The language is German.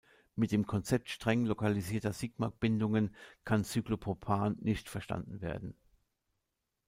Mit dem Konzept streng lokalisierter Sigma-Bindungen kann Cyclopropan nicht verstanden werden.